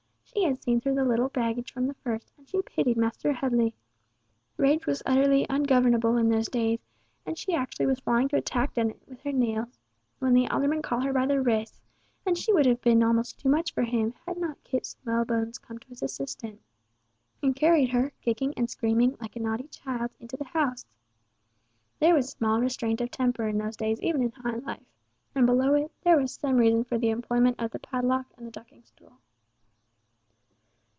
She had seen through the little baggage from the first, and she pitied Master Headley. Rage was utterly ungovernable in those days, and she actually was flying to attack Dennet with her nails when the alderman caught her by the wrists; and she would have been almost too much for him, had not Kit Smallbones come to his assistance, and carried her, kicking and screaming like a naughty child, into the house. There was small restraint of temper in those days even in high life, and below it, there was some reason for the employment of the padlock and the ducking stool.